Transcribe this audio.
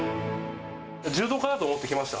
柔道家だと思って来ました？